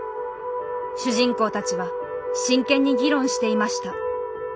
主人公たちは真剣に議論していました。